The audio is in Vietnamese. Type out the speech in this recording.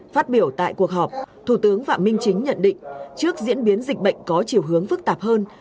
phát biểu tại cuộc họp thủ tướng phạm minh chính nhận định trước diễn biến dịch bệnh có chiều hướng phức tạp hơn